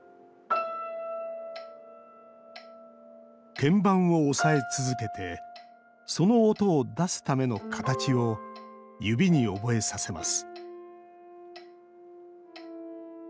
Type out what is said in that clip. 鍵盤を押さえ続けてその音を出すための形を指に覚えさせます。